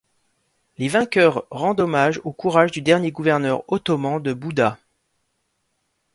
Les vainqueurs rendent hommage au courage du dernier gouverneur ottoman de Buda.